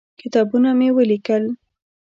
کتابونه مې ولیکل.